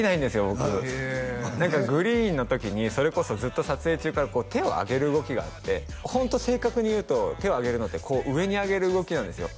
僕何かＧＲｅｅｅｅＮの時にそれこそずっと撮影中から手を上げる動きがあってホント正確に言うと手を上げるのって上に上げる動きなんですよ